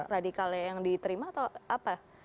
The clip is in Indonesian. radikal yang diterima atau apa